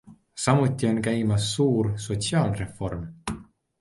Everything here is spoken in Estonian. Samuti on käimas suur sotsiaalreform.